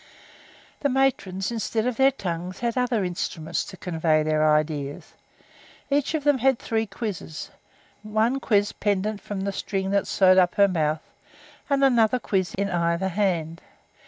The matrons, instead of their tongues, had other instruments to convey their ideas: each of them had three quizzes, one quiz pendent from the string that sewed up her mouth, and another quiz in either hand.